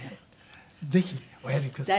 ぜひおやりください。